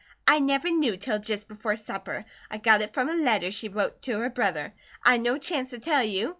"I never knew till jist before supper. I got it frum a letter she wrote to her brother. I'd no chanct to tell you.